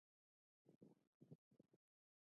آیا دوی ته ځمکه ورکول کیږي؟